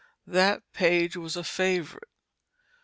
That page was a favorite.